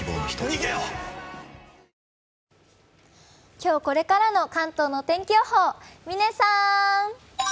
今日これからの関東の天気予報、嶺さーん。